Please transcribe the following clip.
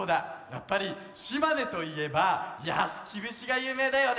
やっぱり島根といえば「やすぎぶし」がゆうめいだよね。